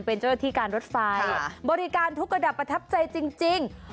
เป็นเจ้าหน้าที่การรถไฟบริการทุกระดับประทับใจจริง